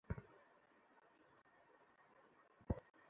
ঈশ্বর, এই ট্রাকটাও আর সময় পেলো না!